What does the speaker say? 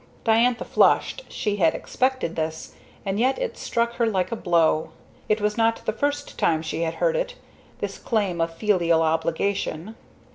Diantha flushed, she had expected this, and yet it struck her like a blow. It was not the first time she had heard it this claim of filial obligation.